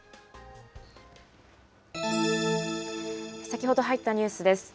先ほど入ったニュースです。